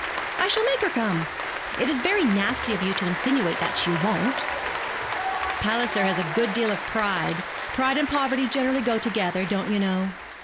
'I shall make her come. It is very nasty of you to insinuate that she won't.' 'Palliser has a good deal of pride pride and poverty generally go together, don't you know.